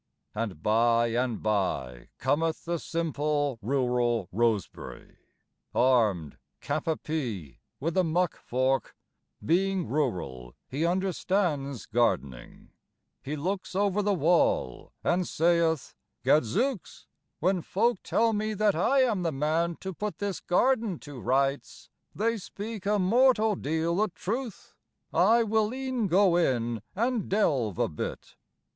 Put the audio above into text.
And by and by cometh the simple, rural Rosebery, Armed cap à pie with a muck fork; Being rural he understands gardening; He looks over the wall and sayeth, "Gadzooks, when folk tell me that I am the man to put this garden to rights They speak a mortal deal o' truth. I will e'en go in and delve a bit."